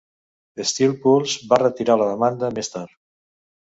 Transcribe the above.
Steel Pulse va retirar la demanda més tard.